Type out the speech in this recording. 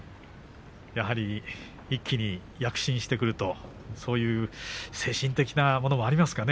やはり一気に躍進してくると、そういう精神的なものもありますかね。